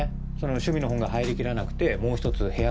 趣味の本が入り切らなくてもう１つ部屋